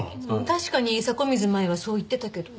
確かに迫水舞はそう言ってたけど。